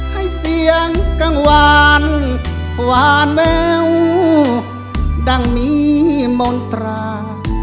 ให้เสียงกังวานวานเววดังมีมนตรา